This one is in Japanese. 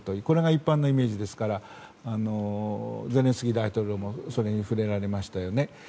これが一般のイメージですからゼレンスキー大統領もそれに触れられましたよね。